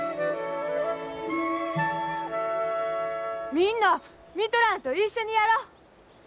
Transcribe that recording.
みんな見とらんと一緒にやろう！